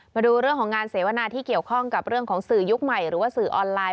มาดูเรื่องของงานเสวนาที่เกี่ยวข้องกับเรื่องของสื่อยุคใหม่หรือว่าสื่อออนไลน